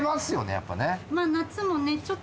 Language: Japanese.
やっぱね。